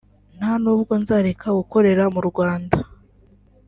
nta n’ubwo nzareka gukorera mu Rwanda